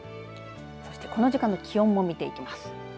そして、この時間の気温も見ていきます。